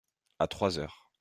À trois heures.